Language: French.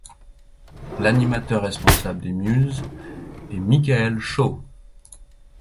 L'animateur responsable des Muses est Michael Show.